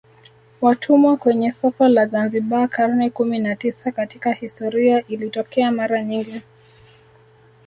Watumwa kwenye soko la Zanzibar karne kumi na tisa Katika historia ilitokea mara nyingi